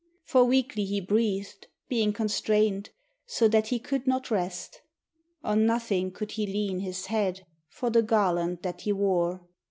For weakly he breathed, being constrained, so that he could not rest; On nothing could he lean his head for the garland that he wore.